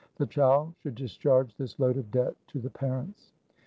The child should discharge this load of debt to the parents.